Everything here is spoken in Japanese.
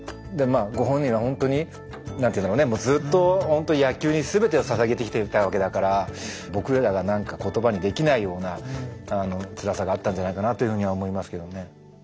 ご本人はほんとにもうずっとほんと野球に全てをささげてきてたわけだから僕らが言葉にできないようなつらさがあったんじゃないかなというふうには思いますけどね。